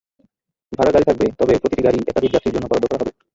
ভাড়া গাড়ি থাকবে, তবে প্রতিটি গাড়ি একাধিক যাত্রীর জন্য বরাদ্দ করা হবে।